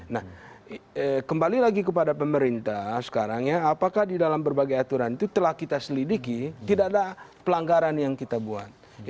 nah kembali lagi kepada pemerintah sekarang ya apakah di dalam berbagai aturan itu telah kita selidiki tidak ada pelanggaran yang kita buat